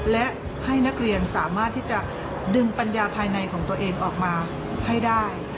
และให้นักเรียนสามารถที่จะดึงปัญญาภายในของตัวเองออกมาให้ได้